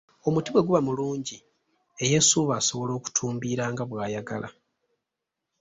"Omuti bwe guba omulungi, eyeesuuba asobola okutumbiira nga bw’ayagala."